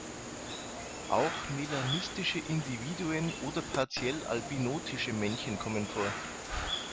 Auch melanistische Individuen oder partiell albinotische Männchen kommen vor.